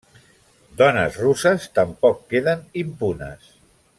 Dones russes tampoc queden impunes.